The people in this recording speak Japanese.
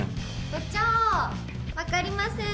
・部長分かりません。